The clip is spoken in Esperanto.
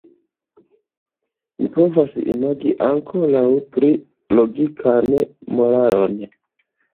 Mi povas imagi ankoraŭ pli logikan moralon.